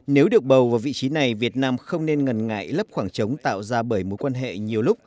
nếu được bầu vào vị trí này việt nam không nên ngần ngại lấp khoảng trống tạo ra bởi mối quan hệ nhiều lúc